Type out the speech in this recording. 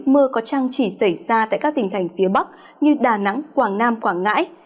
mưa có trăng chỉ xảy ra tại các tỉnh thành phía bắc như đà nẵng quảng nam quảng ngãi